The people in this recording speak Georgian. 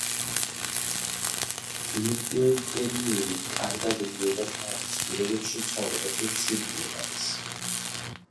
ერდელტერიერი კარგად ეგუება ქალაქის პირობებში ცხოვრებას და ცივ კლიმატს.